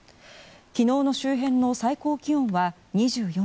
昨日の周辺の最高気温は２４度。